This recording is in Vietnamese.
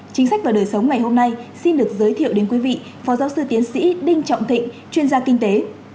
chính sách và đời sống ngày hôm nay xin được giới thiệu đến quý vị phó giáo sư tiến sĩ đinh trọng thịnh chuyên gia kinh tế